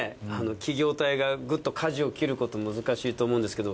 企業体がグッと舵を切ること難しいと思うんですけど。